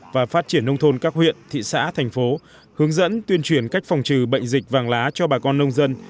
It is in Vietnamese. và phát triển nông thôn các huyện thị xã thành phố hướng dẫn tuyên truyền cách phòng trừ bệnh dịch vàng lá cho bà con nông dân